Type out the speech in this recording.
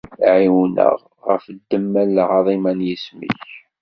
Ɛiwen-aɣ ɣef ddemma n lɛaḍima n yisem-ik!